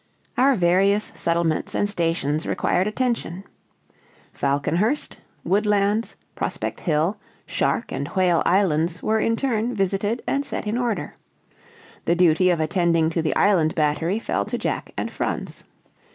Our various settlements and stations required attention. Falconhurst, Woodlands, Prospect Hill, Shark and Whale Islands were in turn visited and set in order. The duty of attending to the island battery fell to Jack and Franz.